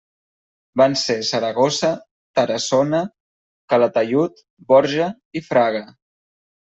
Van ser Saragossa, Tarassona, Calataiud, Borja i Fraga.